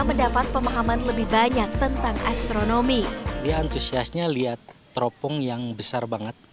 mendapat pemahaman lebih banyak tentang astronomi dia antusiasnya lihat teropong yang besar banget